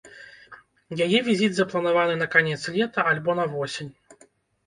Яе візіт запланаваны на канец лета альбо на восень.